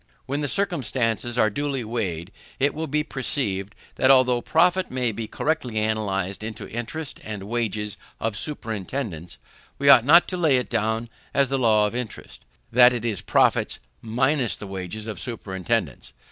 When these circumstances are duly weighed, it will be perceived, that although profit may be correctly analyzed into interest and wages of superintendance, we ought not to lay it down as the law of interest, that it is profits minus the wages of superintendance.